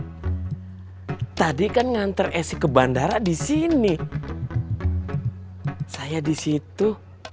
iya ya tadi kan ngantre esik ke bandara di sini saya disitu